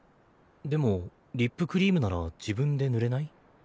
でもリップクリームなら自分で塗れない？